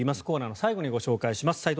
コーナーの最後にご紹介します。